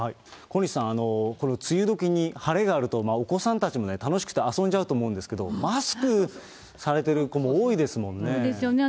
小西さん、この梅雨どきに晴れがあると、お子さんたちも楽しくて遊んじゃうと思うんですけど、マスクされてる子も多いですもんね。ですよね。